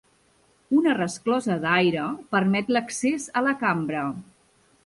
Una resclosa d'aire permet l'accés a la cambra.